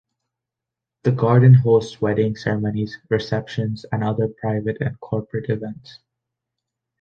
The Garden hosts wedding ceremonies, receptions, and other private and corporate events.